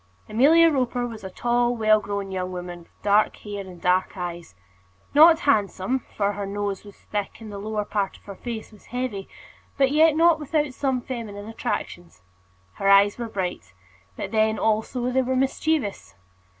Amelia Roper was a tall, well grown young woman, with dark hair and dark eyes; not handsome, for her nose was thick, and the lower part of her face was heavy, but yet not without some feminine attractions. Her eyes were bright; but then, also, they were mischievous.